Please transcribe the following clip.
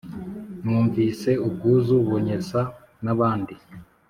nunvise ubwuzu bunyesa nabandi